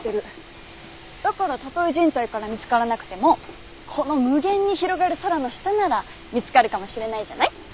だからたとえ人体から見つからなくてもこの無限に広がる空の下なら見つかるかもしれないじゃない？